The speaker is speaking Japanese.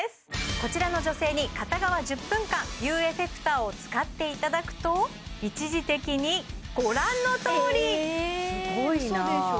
こちらの女性に片側１０分間ビューエフェクターを使っていただくと一時的にご覧のとおりえ嘘でしょ？